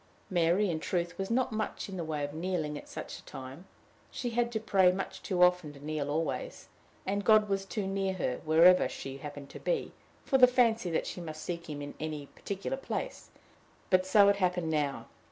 Mary, in truth, was not much in the way of kneeling at such a time: she had to pray much too often to kneel always, and God was too near her, wherever she happened to be, for the fancy that she must seek him in any particular place; but so it happened now.